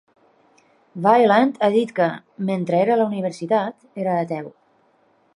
Wieland ha dit que, mentre era a la universitat, era ateu.